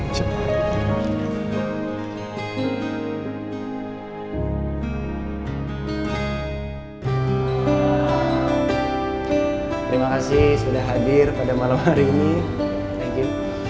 terima kasih sudah hadir pada malam hari ini maggie